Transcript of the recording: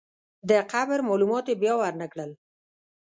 د قبر معلومات یې بیا ورنکړل.